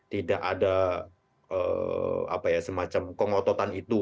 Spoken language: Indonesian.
tidak ada semacam kengototan itu